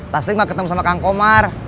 taslim mah ketemu sama kang komar